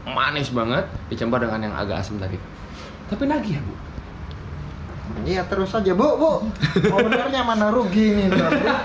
manis banget dicampur dengan yang agak asem tapi tapi lagi ya terus aja bobo benarnya mana rugi ini